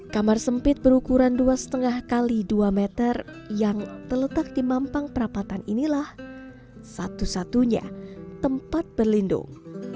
kamar sempit berukuran dua lima x dua meter yang terletak di mampang perapatan inilah satu satunya tempat berlindung